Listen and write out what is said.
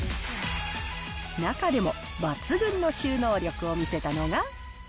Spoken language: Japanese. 中でも抜群の収納力を見せたのが。